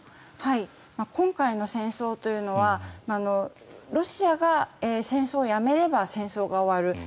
今回の戦争というのはロシアが戦争をやめれば戦争は終わる。